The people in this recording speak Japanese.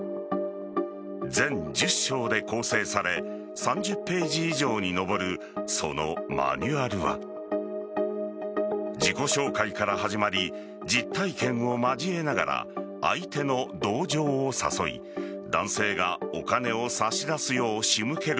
全１０章で構成され３０ページ以上に上るそのマニュアルは自己紹介から始まり実体験を交えながら相手の同情を誘い男性がお金を差し出すよう仕向ける